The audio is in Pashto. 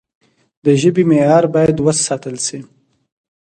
د ژبي معیار باید وساتل سي.